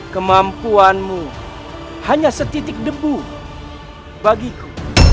kemampuanmu hanya setitik debu bagiku